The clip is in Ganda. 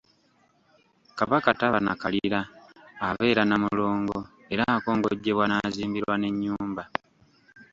Kabaka taba nakalira, abeera na Mulongo era akongojjebwa n’azimbirwa n’ennyumba.